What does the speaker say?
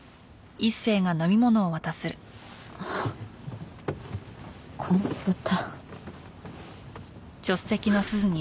あっコンポタ。